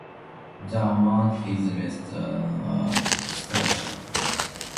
The amount is less than a scholarship.